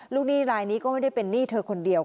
หนี้รายนี้ก็ไม่ได้เป็นหนี้เธอคนเดียว